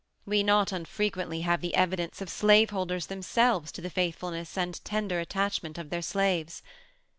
We not unfrequently have the evidence of slaveholders themselves to the faithfulness and tender attachment of their slaves.